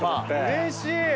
うれしい！